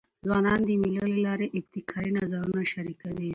ځوانان د مېلو له لاري ابتکاري نظرونه شریکوي.